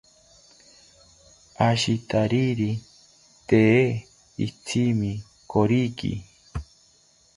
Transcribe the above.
Ashitariri tee itrsimi koriki